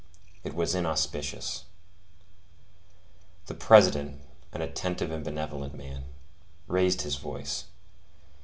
It was inauspicious. The President, an attentive and benevolent man, raised his voice.